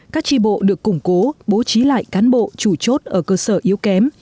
các tri bộ được củng cố bố trí lại cán bộ chủ chốt ở cơ sở yếu kém